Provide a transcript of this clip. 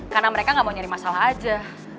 karena mereka gak mau nyari masalah aja